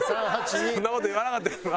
そんな事言わなかったけどな。